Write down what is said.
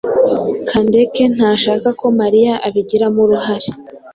Kandeke ntashaka ko Mariya abigiramo uruhare.